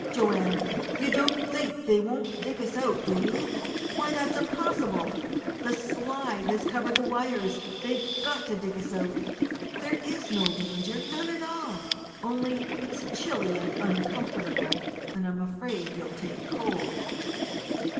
"Joanne, you don't think they won't dig us out, do you? Why, that's impossible! The slide has covered the wires. They've got to dig us out! There is no danger none at all. Only it's chilly, and uncomfortable, and I'm afraid you'll take cold!"